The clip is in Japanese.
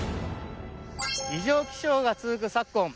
異常気象が続く昨今